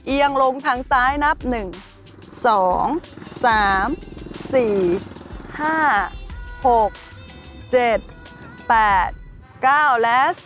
เอียงลงทางซ้ายนับ๑๒๓๔๕๖๗๘๙และ๔